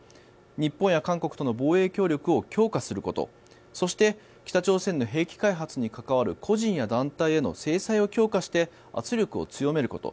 日本や韓国との防衛協力を強化することそして北朝鮮の兵器開発に関わる個人や団体への制裁を強化して圧力を強めること。